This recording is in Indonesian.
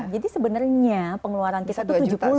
sebenarnya pengeluaran kita itu tujuh puluh